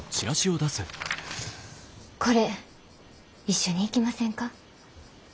これ一緒に行きませんか？